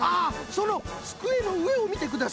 そのつくえのうえをみてくだされ。